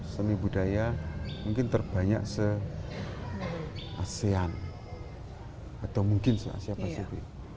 seni budaya mungkin terbanyak se asean atau mungkin se asia pasifik